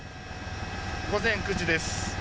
午前９時です。